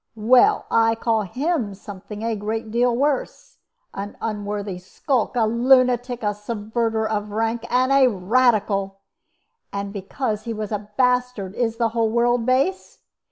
Well, I call him something a great deal worse an unworthy skulk, a lunatic, a subverter of rank, and a Radical! And because he was a bastard, is the whole world base?